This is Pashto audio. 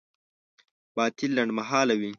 باطل لنډمهاله وي.